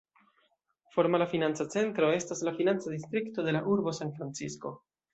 Formala financa centro estas la financa distrikto de la urbo San-Francisko.